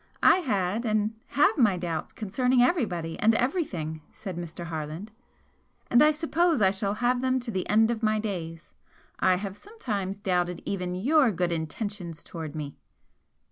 I had and have my doubts concerning everybody and everything" said Mr. Harland, "And I suppose I shall have them to the end of my days. I have sometimes doubted even your good intentions towards me."